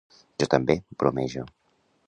Jo també —bromejo.